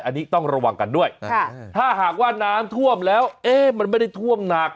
อันนี้ต้องระวังกันด้วยถ้าหากว่าน้ำท่วมแล้วเอ๊ะมันไม่ได้ท่วมหนัก